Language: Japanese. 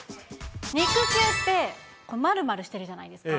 肉球って、まるまるしてるじゃないですか。